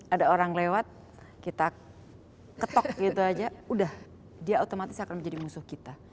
ada orang lewat kita ketok gitu aja udah dia otomatis akan menjadi musuh kita